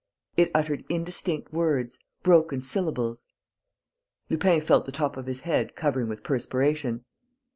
It uttered indistinct words, broken syllables. Lupin felt the top of his head covering with perspiration.